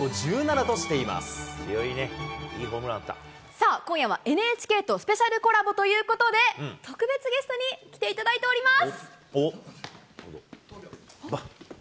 さあ、今夜はＮＨＫとスペシャルコラボということで、特別ゲストに来ていただいております。